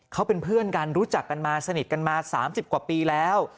เขาเป็นเพื่อนกันรู้จักกันมาสนิทกันมา๓๐กว่าปีแล้ว